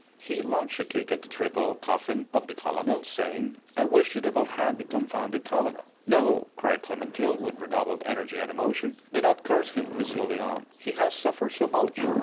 He launched a kick at the triple coffin of the colonel, saying, "I wish the devil had the confounded colonel!" "No!" cried Clémentine, with redoubled energy and emotion. "Do not curse him, Monsieur Léon! He has suffered so much!